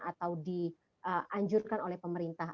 atau dianjurkan oleh pemerintah